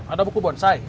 ada buku bonsai